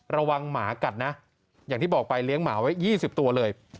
ระวังหมากัดนะอย่างที่บอกไปเลี้ยงหมาไว้ยี่สิบตัวเลย